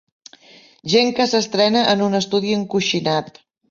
Gent que s'entrena en un estudi encoixinat.